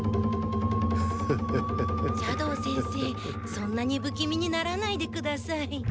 そんなに不気味にならないでください。